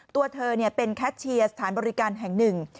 ตัวเธอเป็นแคชเชียร์สถานบริการแห่งหนึ่ง